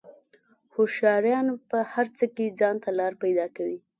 هوښیاران په هر څه کې ځان ته لار پیدا کوي.